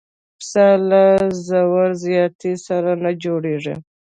پسه له زور زیاتي سره نه جوړېږي.